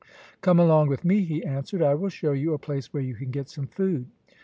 "Come along with me," he answered; "I will show you a place where you can get some food."